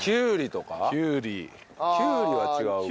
きゅうりは違うか。